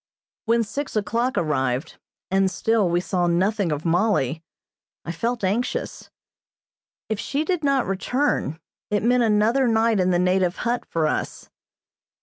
When six o'clock arrived, and still we saw nothing of Mollie, I felt anxious. If she did not return it meant another night in the native hut for us.